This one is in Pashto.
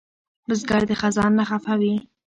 بزګر د خزان نه خفه وي